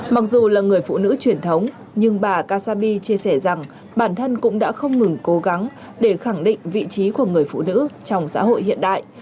mặc dù là người phụ nữ truyền thống nhưng bà kasabi chia sẻ rằng bản thân cũng đã không ngừng cố gắng để khẳng định vị trí của người phụ nữ trong xã hội hiện đại